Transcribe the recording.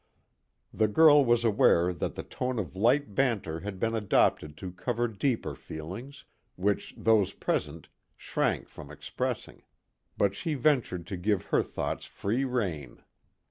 The girl was aware that the tone of light banter had been adopted to cover deeper feelings, which those present shrank from expressing; but she ventured to give her thoughts free rein.